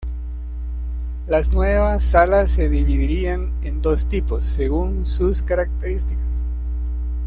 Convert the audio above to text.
Las nuevas salas se dividirían en dos tipos, según sus características.